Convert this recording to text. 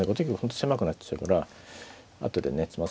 狭くなっちゃうから後でね